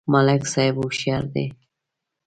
ملک صاحب هوښیار دی.